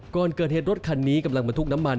ก่อนเกิดเหตุรถคันนี้กำลังมาทุกน้ำมัน